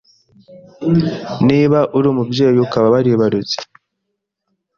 Niba uri umubyeyi ukaba waribarutse